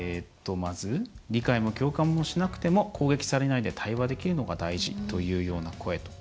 まず、理解も共感もしなくても攻撃もされないで対話できるのが大事というような声とか。